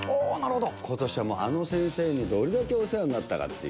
ことしはあの先生にどれだけお世話になったかっていう。